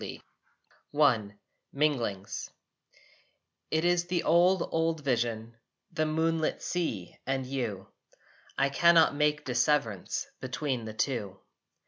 I MINGLINGS It is the old old vision, The moonlit sea and you. I cannot make disseverance Between the two.